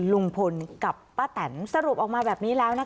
ลุงพลกับป้าแตนสรุปออกมาแบบนี้แล้วนะคะ